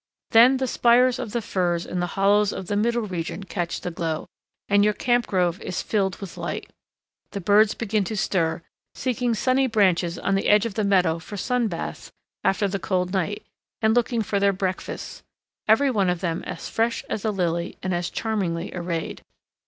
Then the spires of the firs in the hollows of the middle region catch the glow, and your camp grove is filled with light. The birds begin to stir, seeking sunny branches on the edge of the meadow for sun baths after the cold night, and looking for their breakfasts, every one of them as fresh as a lily and as charmingly arrayed.